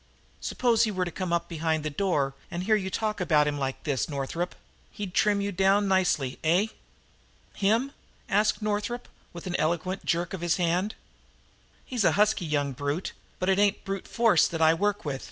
"Suppose he were to come up behind the door and hear you talk about him like this, Northup? He's trim you down nicely, eh?" "Him?" asked Northup, with an eloquent jerk of his hand. "He's a husky young brute, but it ain't brute force that I work with."